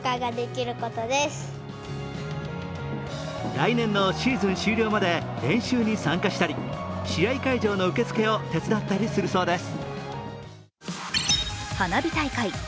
来年のシーズン終了まで練習に参加したり、試合会場の受付を手伝ったりするそうです。